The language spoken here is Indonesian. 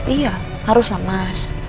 iya harus lah mas